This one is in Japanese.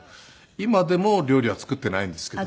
今でも料理は作っていないんですけど。